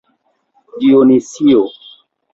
Dionisio.